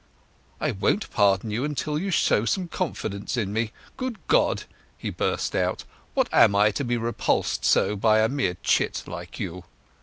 "I won't pardon you unless you show some confidence in me. Good God!" he burst out, "what am I, to be repulsed so by a mere chit like you?